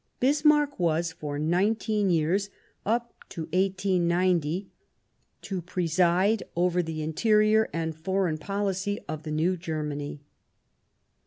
Bismarck was for nineteen years, up to 1890, to preside over the interior and foreign policy of the new Germany.